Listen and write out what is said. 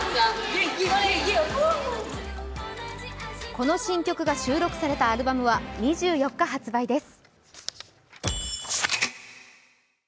この新曲が収録されたアルバムは２４日発売です。